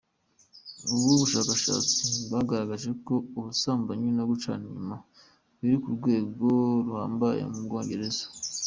Ubu bushakashatsi bwagaragaje ko ubusambanyi no gucana inyuma biri ku rwego ruhambaye mu Bwongereza.